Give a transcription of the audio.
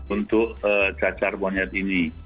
untuk cacar monyet ini